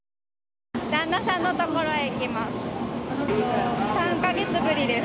旦那さんの所へ行きます。